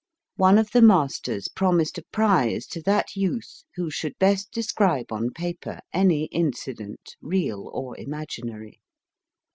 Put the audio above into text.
One of the masters promised a prize to that youth who should best describe on paper any incident, real or imaginary.